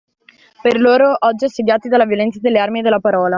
Per loro, oggi assediati dalla violenza delle armi e della parola.